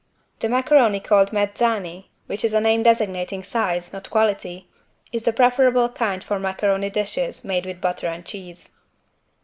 The macaroni called "Mezzani" which is a name designating size, not quality, is the preferable kind for macaroni dishes made with butter and cheese.